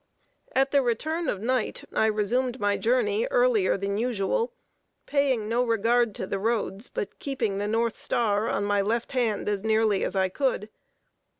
At the return of night, I resumed my journey earlier than usual; paying no regard to the roads, but keeping the north star on my left hand, as nearly as I could.